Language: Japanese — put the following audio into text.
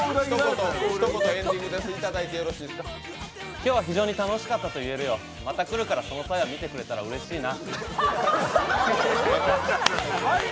今日は非常に楽しかったと言えるよまた来るから、その際は見てくれたらうれしいな。